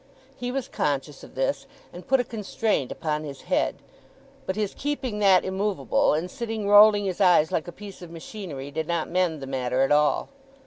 He was conscious of this, and put a constraint upon his head; but his keeping that immovable, and sitting rolling his eyes like a piece of machinery, did not mend the matter at all.